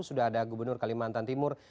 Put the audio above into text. sudah ada gubernur kalimantan timur